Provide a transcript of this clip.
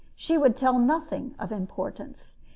She would tell nothing of importance.